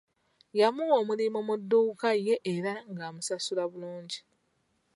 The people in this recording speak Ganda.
Yamuwa omulimu mu dduuka ye era ng'amusasula bulungi.